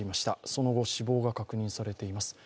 その後、死亡が確認されています。